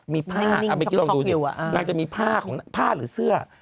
มีผ้านางจะมีผ้าหรือเสื้อ